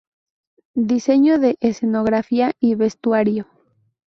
Diseño de Escenografía y Vestuario.